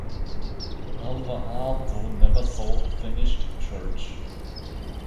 Alvar Aalto never saw the finished church.